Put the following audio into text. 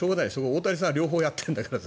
大谷さんは両方やっているんだから。